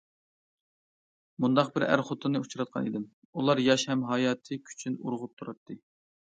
مۇنداق بىر ئەر- خوتۇننى ئۇچراتقان ئىدىم، ئۇلار ياش ھەم ھاياتىي كۈچى ئۇرغۇپ تۇراتتى.